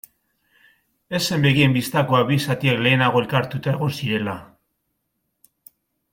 Ez zen begien bistakoa bi zatiak lehenago elkartuta egon zirela.